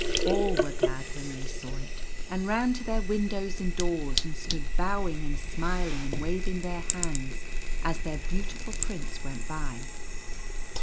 All were glad when they saw it, and ran to their windows and doors and stood bowing and smiling and waving their hands as their beautiful prince went by.